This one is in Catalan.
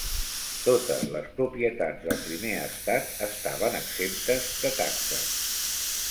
Totes les propietats del primer estat estaven exemptes de taxes.